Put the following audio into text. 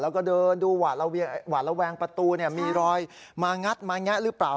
แล้วก็เดินดูหวาดระแวงประตูมีรอยมางัดมาแงะหรือเปล่า